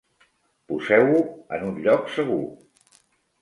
Poseu-ho en un lloc segur.